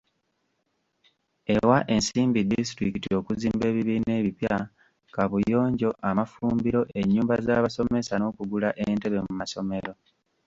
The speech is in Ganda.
Ewa ensimbi disitulikiti okuzimba ebibiina ebipya, kaabuyonjo, amafumbiro, ennyumba z'abasomesa, n'okugula entebe mu masomero.